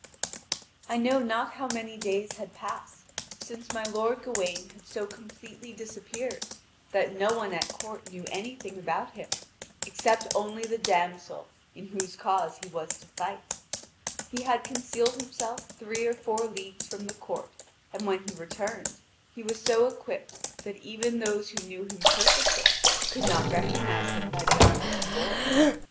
I know not how many days had passed since my lord Gawain had so completely disappeared that no one at court knew anything about him, except only the damsel in whose cause he was to fight. He had concealed himself three or four leagues from the court, and when he returned he was so equipped that even those who knew him perfectly could not recognise him by the arms he bore.